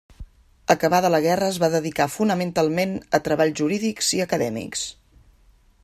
Acabada la guerra es va dedicar fonamentalment a treballs jurídics i acadèmics.